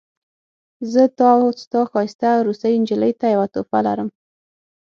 زه تا او ستا ښایسته روسۍ نجلۍ ته یوه تحفه لرم